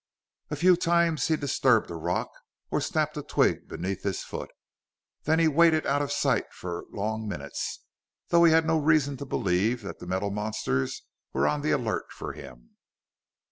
A few times he disturbed a rock, or snapped a twig beneath his foot. Then he waited out of sight for long minutes, though he had no reason to believe that the metal monsters were on the alert for him.